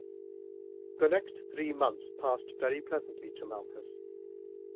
The next three months passed very pleasantly to Malchus.